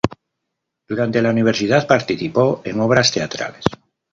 Durante la universidad participó en obras teatrales.